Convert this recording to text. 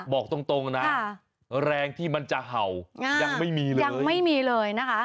บอกตรงนะแรงที่มันจะเห่ายังไม่มีเลย